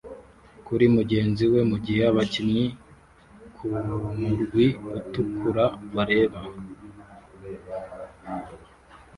kuri mugenzi we mugihe abakinnyi kumurwi utukura bareba